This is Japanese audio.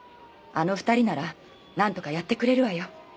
あの２人なら何とかやってくれるわよ！